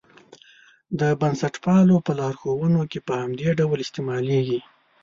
د بنسټپالو په لارښوونو کې په همدې ډول استعمالېږي.